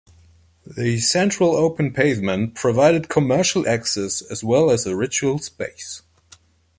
The central open pavement provided commercial access as well as ritual space.